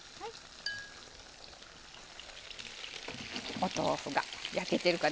お豆腐が焼けてるかな。